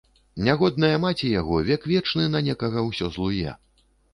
Нягодная маці яго, век вечны на некага ўсё злуе.